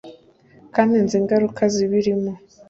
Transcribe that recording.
kandi nzi ingaruka zibirimo "